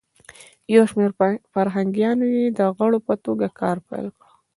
یو شمیر فرهنګیانو یی د غړو په توګه کار پیل کړ.